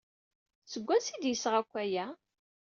Seg wansi ay d-yesɣa akk aya?